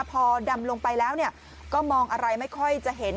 พอดำลงไปแล้วก็มองอะไรไม่ค่อยจะเห็น